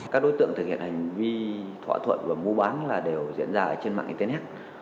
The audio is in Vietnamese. các đối tượng thực hiện hành vi thỏa thuận và mua bán là đều diễn ra trên mạng internet